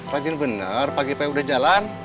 rajin benar pagi pagi udah jalan